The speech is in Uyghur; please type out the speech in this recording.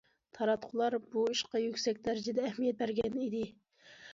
تاراتقۇلار بۇ ئىشقا يۈكسەك دەرىجىدە ئەھمىيەت بەرگەن ئىدى.